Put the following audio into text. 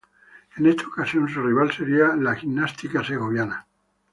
En esta ocasión su rival sería la Gimnástica Segoviana.